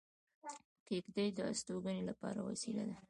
کېږدۍ د استوګنې لپاره وسیله ده